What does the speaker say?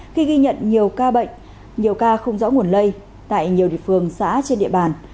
khi ghi nhận nhiều ca bệnh nhiều ca không rõ nguồn lây tại nhiều địa phương xã trên địa bàn